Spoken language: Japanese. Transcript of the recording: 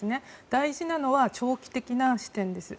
大事なのは長期的な視点です。